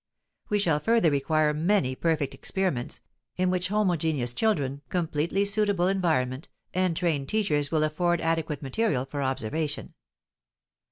We shall further require many perfect experiments, in which homogeneous children, completely suitable environment, and trained teachers will afford adequate material for observation.